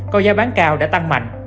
còn giá bán cao đã tăng mạnh